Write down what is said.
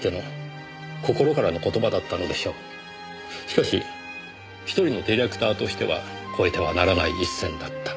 しかし１人のディレクターとしては越えてはならない一線だった。